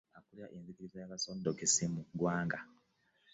Akulira enzikiriza y'abasodokisi mu ggwanga